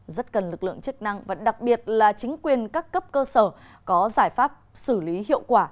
rất cần lực lượng chức năng và đặc biệt là chính quyền các cấp cơ sở có giải pháp xử lý hiệu quả